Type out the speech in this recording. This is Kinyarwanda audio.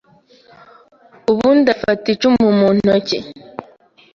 ubundi afata icumu mu ntoki.